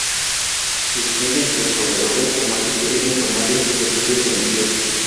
Se distingue entre proveedores formales e informales de servicios financieros.